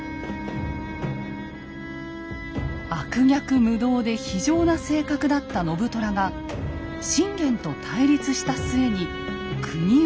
悪逆無道で非情な性格だった信虎が信玄と対立した末に国を追われた。